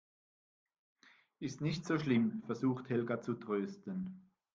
Ist nicht so schlimm, versucht Helga zu trösten.